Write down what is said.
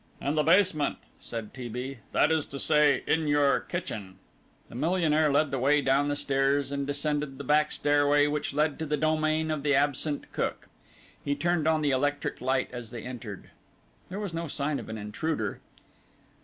"In the basement," said T. B.; "that is to say, in your kitchen." The millionaire led the way down the stairs, and descended the back stairway which led to the domain of the absent cook. He turned on the electric light as they entered. There was no sign of an intruder.